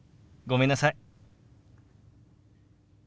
ごめんなさい。